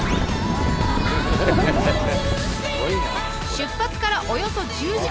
出発からおよそ１０時間